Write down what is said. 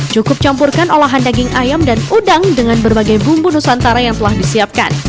cukup campurkan olahan daging ayam dan udang dengan berbagai bumbu nusantara yang telah disiapkan